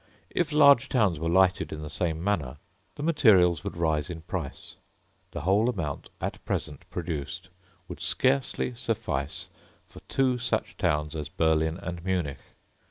If large towns were lighted in the same manner, the materials would rise in price: the whole amount at present produced would scarcely suffice for two such towns as Berlin and Munich.